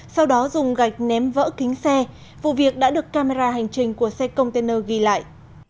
sau đó dùng gạch ném vỡ kính xe vụ việc đã được camera hành trình của xe container ghi lại